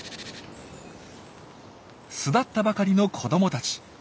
巣立ったばかりの子どもたち。